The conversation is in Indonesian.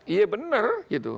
iya benar gitu